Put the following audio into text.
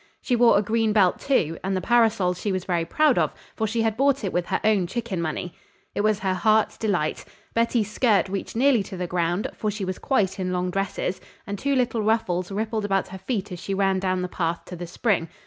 She wore a green belt, too, and the parasol she was very proud of, for she had bought it with her own chicken money. It was her heart's delight. Betty's skirt reached nearly to the ground, for she was quite in long dresses, and two little ruffles rippled about her feet as she ran down the path to the spring.